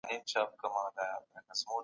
آیا هنر او واقعیت سره یوځای کيدای سي؟